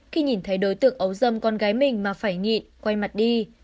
khi nhìn thấy đối tượng ấu dâm con gái mình mà phải nhị quay mặt đi